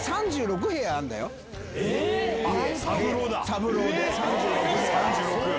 サブローで３６部屋。